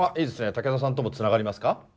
竹田さんともつながりますか。